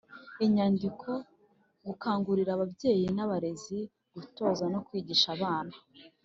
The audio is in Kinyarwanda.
Inyandiko gukangurira ababyeyi n abarezi gutoza no kwigisha abana